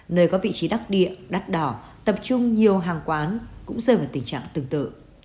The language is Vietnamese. nơi có vị trí đắc địa đắt đỏ tập trung nhiều hàng quán cũng rơi vào tình trạng tương tự